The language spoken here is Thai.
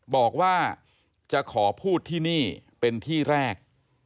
บอกว่าจะขอพูดที่นี่เป็นที่แรก